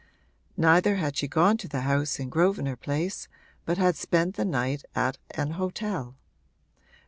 Neither had she gone to the house in Grosvenor Place but had spent the night at an hotel.